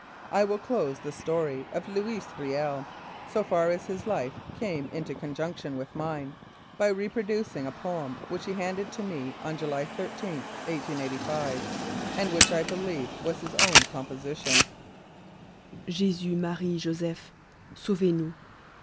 I will close the story of Louis Riel, so far as his life came into conjunction with mine, by reproducing a poem which he handed to me on July 13, 1885, and which I believe was his own composition : JESUS : MARIE : JOSEPH : Sauvez nous.